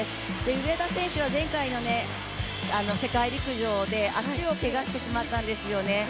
上田選手は前回の世界陸上で足をけがしてしまったんですよね。